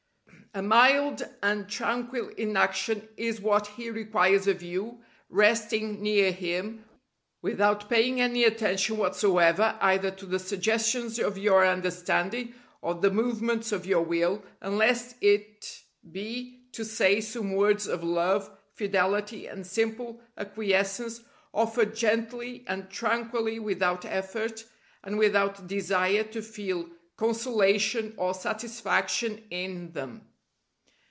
A mild and tranquil inaction is what He requires of you, resting near Him, without paying any attention whatsoever either to the suggestions of your understanding or the movements of your will, unless it be to say some words of love, fidelity, and simple acquiescence offered gently and tranquilly without effort, and without desire to feel consolation or satisfaction in them.